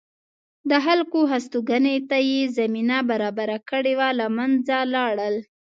د خلکو هستوګنې ته یې زمینه برابره کړې وه له منځه لاړل